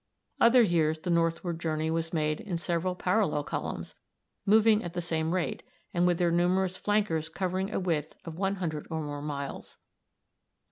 Other years the northward journey was made in several parallel columns, moving at the same rate, and with their numerous flankers covering a width of a hundred or more miles.